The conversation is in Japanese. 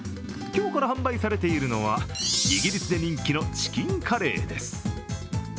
今日から販売されているのは、イギリスで人気のチキンカレーです。